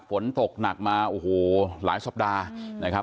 ฝนตกหนักมาโอ้โหหลายสัปดาห์นะครับ